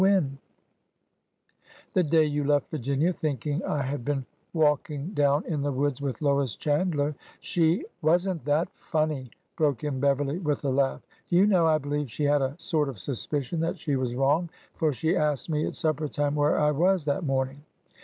When ?"" The day you left Virginia thinking I had been walk ing dov/n in the woods with Lois Chandler. She—" " Was n't that funny !" broke in Beverly, with a laugh. '' Do you know, I believe she had a sort of suspicion that she was wrong, for she asked me at supper time where I was that morning."